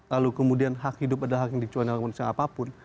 lalu kemudian hak hidup adalah hak yang dikecuali dalam kondisi apapun